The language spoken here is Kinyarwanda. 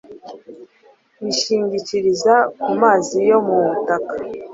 bishingikiriza ku mazi yo mu butaka,